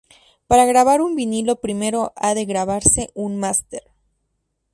Para grabar un vinilo primero ha de grabarse un máster.